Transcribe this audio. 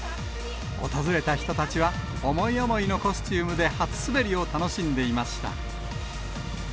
訪れた人たちは、思い思いのコスチュームで初滑りを楽しんでいました。